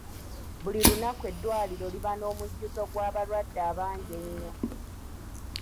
Buli lunaku eddwaliro liba n'omujjuzo gw'abalwadde abangi ennyo.